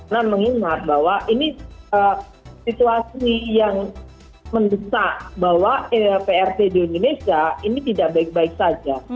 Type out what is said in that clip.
dan mengingat bahwa ini situasi yang mendesak bahwa prt di indonesia ini tidak baik baik saja